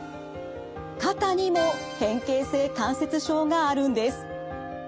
肩にも変形性関節症があるんです。